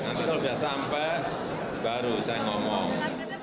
nanti kalau sudah sampai baru saya ngomong